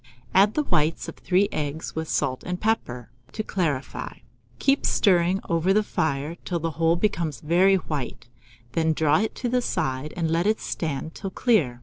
Add the whites of 3 eggs, with salt and pepper, to clarify; keep stirring over the fire, till the whole becomes very white; then draw it to the side, and let it stand till clear.